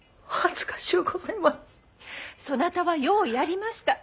そなたはようやりました。